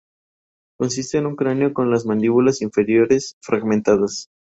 Consiste en un cráneo con las mandíbulas inferiores fragmentarias.